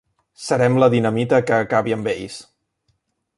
Serem la dinamita que acabi amb ells.